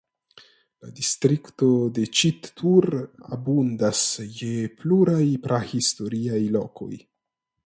La distrikto de Ĉittur abundas je pluraj prahistoriaj lokoj.